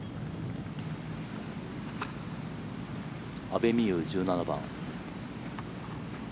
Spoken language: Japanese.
阿部未悠、１７番。